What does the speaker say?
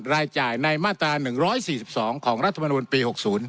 รายจ่ายในมาตรา๑๔๒ของรัฐมนุนปี๖๐